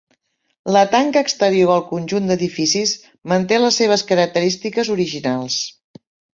La tanca exterior al conjunt d'edificis manté les seves característiques originals.